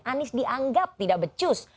anies dianggap tidak becus